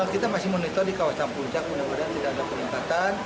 kita masih monitor di kawasan puncak mudah mudahan tidak ada peningkatan